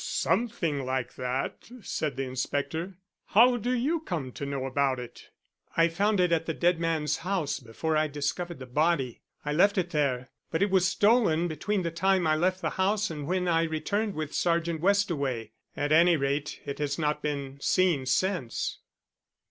"Something like that," said the inspector. "How do you come to know about it?" "I found it at the dead man's house before I discovered the body. I left it there, but it was stolen between the time I left the house and when I returned with Sergeant Westaway. At any rate it has not been seen since."